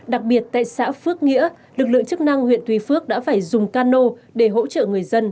đặc biệt tại xã phước nghĩa lực lượng chức năng huyện tuy phước đã phải dùng cano để hỗ trợ người dân